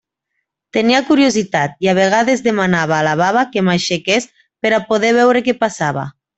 Tenia curiositat, i a vegades demanava a la baba que m'aixequés per a poder veure què passava.